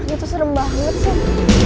itu serem banget sam